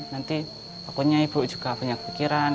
nanti pokoknya ibu juga banyak pikiran